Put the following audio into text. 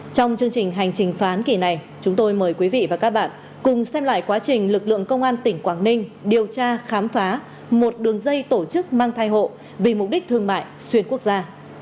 trong chương trình hành trình phán kỷ này chúng tôi mời quý vị và các bạn cùng xem lại quá trình lực lượng công an tỉnh quảng ninh điều tra khám phá một đường dây tổ chức mang thai hộ vì mục đích thương mại xuyên quốc gia